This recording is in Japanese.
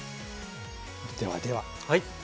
ではでは。